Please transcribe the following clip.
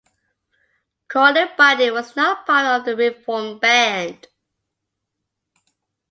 Carly Binding was not part of the reformed band.